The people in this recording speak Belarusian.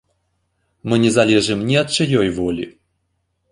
Мы не залежым ні ад чыёй волі.